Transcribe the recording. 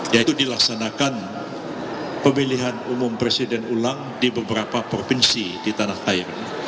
yaitu dilaksanakan pemilihan umum presiden ulang di beberapa provinsi di tanah air